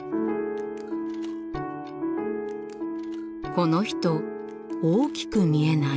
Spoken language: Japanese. この人大きく見えない？